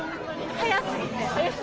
速すぎて。